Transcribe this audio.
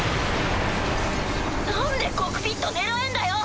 なんでコクピット狙えんだよ！